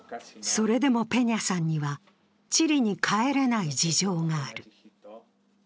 それでもペニャさんにはチリに帰れない事情がある。